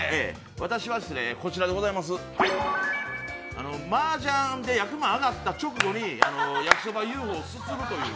私はこちらでございます、麻雀の役満をあがった直後に焼そばＵ．Ｆ．Ｏ．をすするという。